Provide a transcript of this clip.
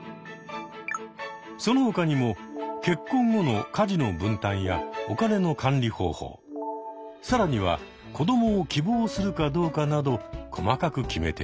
その他にも結婚後の家事の分担やお金の管理方法更には子どもを希望するかどうかなど細かく決めていく。